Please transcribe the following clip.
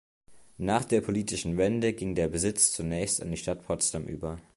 Nach der politischen Wende ging der Besitz zunächst an die Stadt Potsdam über.